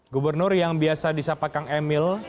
gubernur yang biasa disapakang emil